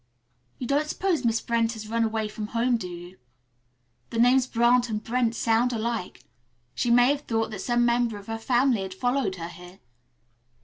"You don't suppose Miss Brent has run away from home do you? The names Brant and Brent sound alike. She may have thought that some member of her family had followed her here."